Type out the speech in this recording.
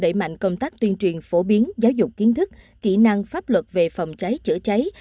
đẩy mạnh công tác tuyên truyền phổ biến giáo dục kiến thức kỹ năng pháp luật về phòng cháy chữa cháy